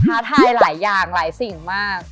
ท้าทายหลายอย่างหลายสิ่งมาก